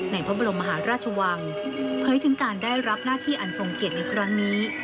พระบรมมหาราชวังเผยถึงการได้รับหน้าที่อันทรงเกียรติในครั้งนี้